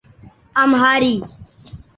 امہاری